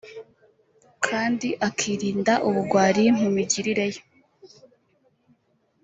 kandi akirinda ubugwari mu migirire ye